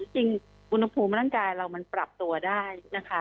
จริงอุณหภูมิร่างกายเรามันปรับตัวได้นะคะ